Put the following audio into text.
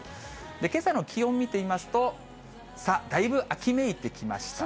けさの気温、見てみますと、だいぶ秋めいてきました。